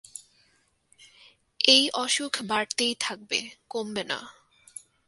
এই অসুখ বাড়তেই থাকবে, কমবে না।